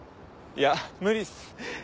いや無理っす。